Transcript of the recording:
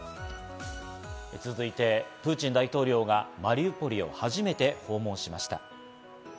続いてプーチン大統領がマリウポリを初めて訪問しました。